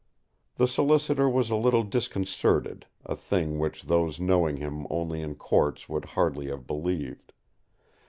The solicitor was a little disconcerted, a thing which those knowing him only in courts would hardly have believed.